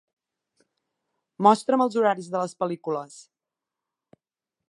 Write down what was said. Mostra'm els horaris de les pel·lícules